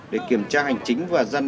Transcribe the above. tôi chụp ảnh để tôi trả anh